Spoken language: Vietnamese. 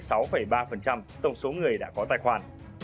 đa tỷ lệ bốn mươi sáu ba tổng số người đã có tài khoản